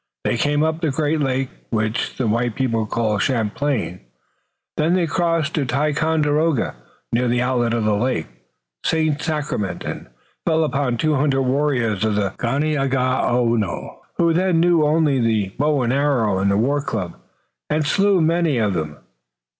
They came up the great lake which the white people call Champlain, then they crossed to Ticonderoga, near the outlet of the lake, Saint Sacrement, and fell upon two hundred warriors of the Ganeagaono, who then knew only the bow and arrow and the war club, and slew many of them.